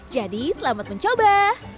jadi selamat mencoba